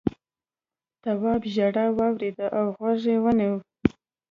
تواب ژړا واورېده او غوږ یې ونيو.